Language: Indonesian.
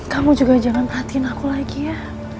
kamu juga jangan perhatiin aku lagi ya